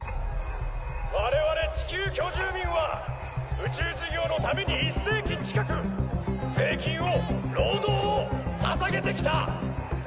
我々地球居住民は宇宙事業のために１世紀近く税金を労働をささげてきた！